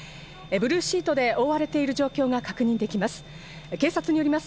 ブルーシートで覆われている状況が確認されています。